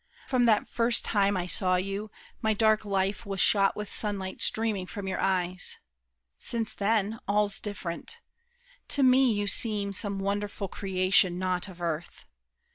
From that first time I saw you, my dark life Was shot with sunlight streaming from your eyes; Since then all's different. To me you seem Some wonderful creation, not of earth.